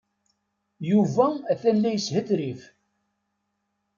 Yuba atan la yeshetrif.